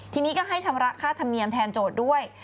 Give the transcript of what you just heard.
ทีนี้ก็ให้ชำระค่าธรรมเนียมแทนโจทย์ด้วย